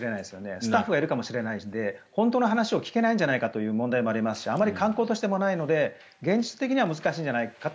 スタッフがいるかもしれないんで本当の話を聞けないんじゃないかという問題もありますしあまり慣行としてもないので現実的には難しいんじゃないかと。